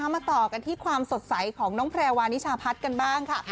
มาต่อกันที่ความสดใสของน้องแพรวานิชาพัฒน์กันบ้างค่ะ